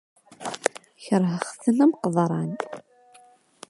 Kerheɣ-ten am qeḍran.